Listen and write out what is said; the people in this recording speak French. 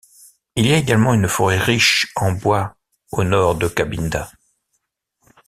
Il y a également une forêt riche en bois au nord de Kabinda.